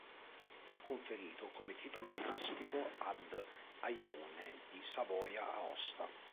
Fu conferito come titolo dinastico ad Aimone di Savoia-Aosta.